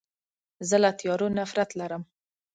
زه له تیارو نفرت لرم.